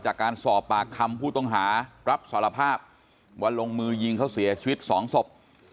จากการสอบปากคำผู้ต้องหารับสารภาพว่าลงมือยิงเขาเสียชีวิตสองศพ